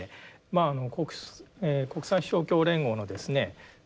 まあ国際勝共連合のですね